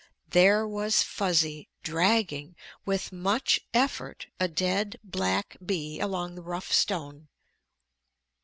There was Fuzzy dragging, with much effort, a dead, black bee along the rough stone.